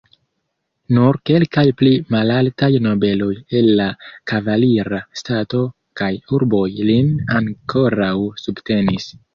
Nur kelkaj pli malaltaj nobeloj el la kavalira stato kaj urboj lin ankoraŭ subtenis.